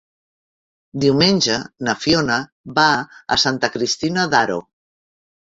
Diumenge na Fiona va a Santa Cristina d'Aro.